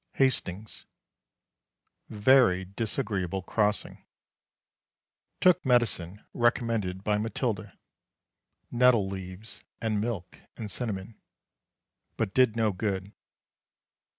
Hastings. Very disagreeable crossing. Took medicine recommended by Matilda (nettle leaves and milk and cinnamon), but did no good.